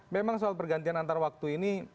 memang soal pergantian antar waktu ini